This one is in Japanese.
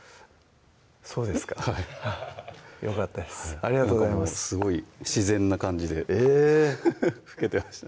そうですかはいよかったですありがとうございますすごい自然な感じでえ拭けてました